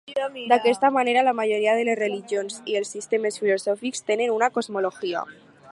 D'aquesta manera, la majoria de les religions i els sistemes filosòfics tenen una cosmologia.